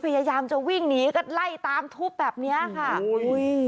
พยายามจะวิ่งหนีก็ไล่ตามทุบแบบเนี้ยค่ะอุ้ย